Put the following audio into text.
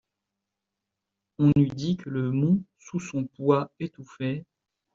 On eût dit que le mont sous son poids étouffait